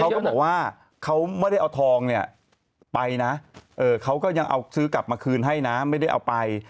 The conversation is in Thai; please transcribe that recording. เขาก็บอกว่าเขาไม่ได้เอาทองเนี่ยไปนะเขาก็ยังเอาซื้อกลับมาคืนให้นะไม่ได้เอาไป